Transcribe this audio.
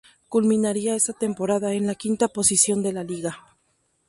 Culminaría esa temporada en la quinta posición de la liga.